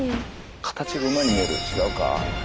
形が馬に見える違うか。